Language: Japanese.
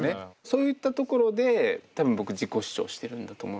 そういったところで多分僕自己主張してるんだと思うんですよね。